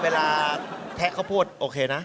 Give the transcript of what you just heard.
เวลาแทะข้าวโพสโอเคนะ